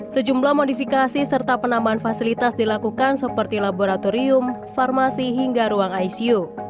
sejumlah modifikasi serta penambahan fasilitas dilakukan seperti laboratorium farmasi hingga ruang icu